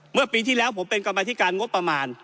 เมื่อปีที่แล้วผมเป็นกรรมธิการงบประมาณ